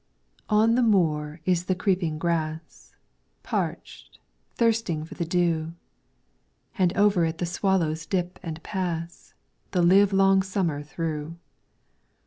On the moor is the creeping grass, Parched, thirsting for the dew, And over it the swallows dip and pass. The live long summer through.